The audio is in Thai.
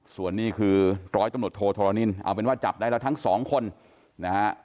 ส่วนนี้คือร้อยตำรวจโทธรณินเอาเป็นว่าจับได้แล้วทั้งสองคนนะฮะ